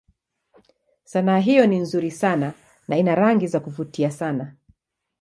Sanaa hiyo ni nzuri sana na ina rangi za kuvutia sana.